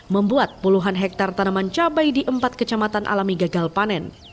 membuat puluhan hektare tanaman cabai di empat kecamatan alami gagal panen